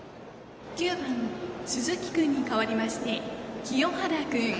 ９番、鈴木君に代わりまして清原君。